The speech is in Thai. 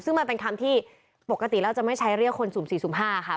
ซึ่งมันเป็นคำที่ปกติแล้วจะไม่ใช้เรียกคนสุ่ม๔สุ่ม๕ค่ะ